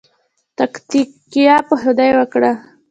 تککیه په خدای وکړئ